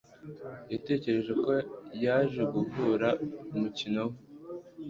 Yatekereje ko yaje guhura umukino we.